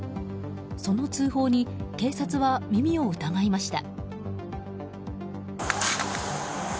その通報に警察は耳を疑いました。